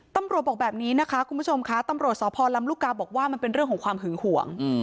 บอกแบบนี้นะคะคุณผู้ชมค่ะตำรวจสพลำลูกกาบอกว่ามันเป็นเรื่องของความหึงห่วง